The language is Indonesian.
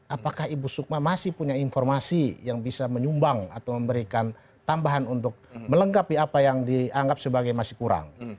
apakah ibu sukma masih punya informasi yang bisa menyumbang atau memberikan tambahan untuk melengkapi apa yang dianggap sebagai masih kurang